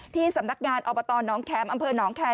ที่สำนักงานอปตรน้องแครมอหนองแคร